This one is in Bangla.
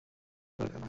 স্পর্শ করে দেখে নাও।